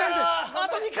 あと２回！